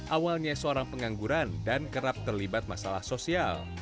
awalnya seorang pengangguran dan kerap terlibat masalah sosial